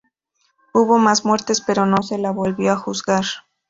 Hubo más muertes pero no se la volvió a juzgar.